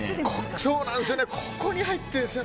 そうなんですよね